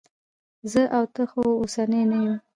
زه او ته خو اوسني نه یو.